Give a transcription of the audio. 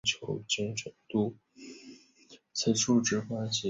孝惠章皇后出身科尔沁部左翼扎萨克家族。